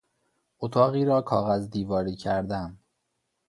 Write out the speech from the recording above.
اتاقی را کاغذ دیواری کردن